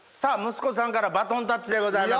息子さんからバトンタッチでございます。